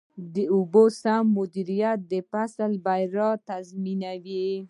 د اوبو سم مدیریت د فصل بریا تضمینوي.